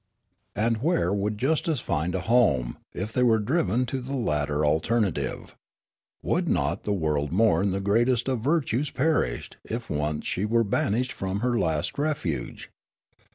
And where would justice find a home, if they were driven to the latter alternative ? Would not the world mourn the greatest of virtues perished, if once she were banished from her last refuge